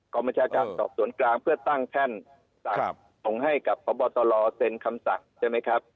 บัญชาการสอบสวนกลางเพื่อตั้งแท่นสั่งส่งให้กับพบตรเซ็นคำสั่งใช่ไหมครับ